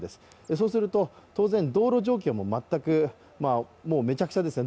そうすると、当然道路状況もめちゃくちゃですね